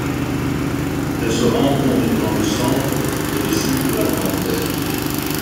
Elle se rencontre dans le centre et le sud de la Grande Terre.